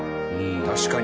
確かに。